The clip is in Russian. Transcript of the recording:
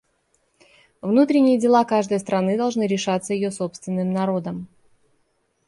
Внутренние дела каждой страны должны решаться ее собственным народом.